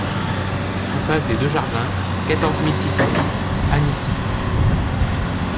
Impasse des Deux Jardins, quatorze mille six cent dix Anisy